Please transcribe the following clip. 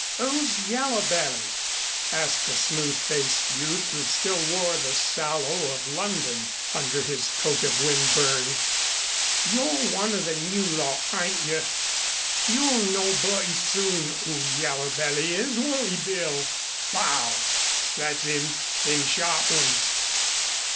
"'Oo's Yaller belly?" asked a smooth faced youth who still wore the sallow of London under his coat of windburn. "You're one of the new lot, ayn't yer? You'll know b y soon 'oo Yaller belly is, won't 'e, Bill? Pow! That's 'im them sharp ones."